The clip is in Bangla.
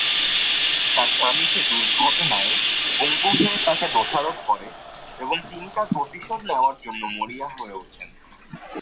তার স্বামী সে দুর্ঘটনায় পঙ্গু হয়ে তাকে দোষারোপ করে এবং তিনি তার প্রতিশোধ নেওয়ার জন্য মরিয়া হয়ে ওঠেন।